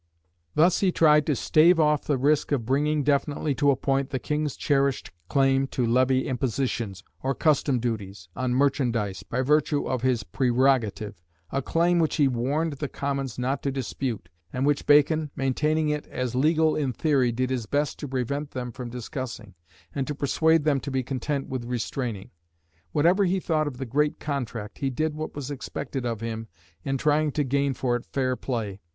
Thus he tried to stave off the risk of bringing definitely to a point the King's cherished claim to levy "impositions," or custom duties, on merchandise, by virtue of his prerogative a claim which he warned the Commons not to dispute, and which Bacon, maintaining it as legal in theory, did his best to prevent them from discussing, and to persuade them to be content with restraining. Whatever he thought of the "Great Contract," he did what was expected of him in trying to gain for it fair play.